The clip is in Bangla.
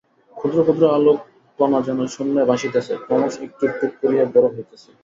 ক্ষুদ্র ক্ষুদ্র আলোককণা যেন শূন্যে ভাসিতেছে, ক্রমশ একটু একটু করিয়া বড় হইতেছে।